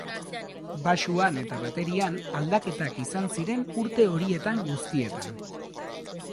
Baxuan eta baterian aldaketak izan ziren urte horietan guztietan.